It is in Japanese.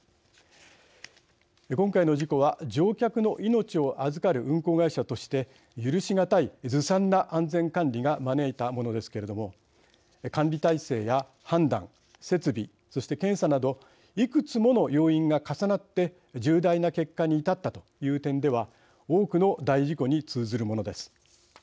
今回の事故は乗客の命をあずかる運航会社として許しがたい、ずさんな安全管理が招いたものですけれども管理体制や判断設備、そして検査などいくつもの要因が重なって重大な結果に至ったという点では多くの大事故に通ずるものです。